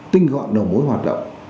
tinh gọi đầu mối hoạt động